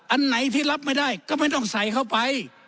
อันไหนที่รับไม่ได้ก็ไม่ต้องใส่เข้าไป